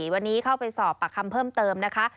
วันนี้เข้าไปสอบปากคำเพิ่มเติมนะคะ